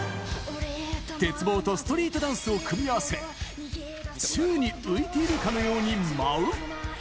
鉄棒とストリートダンスを組み合わせ、宙に浮いているかのように舞う。